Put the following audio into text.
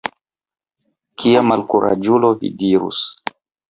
Kia malkuraĝulo, vi dirus.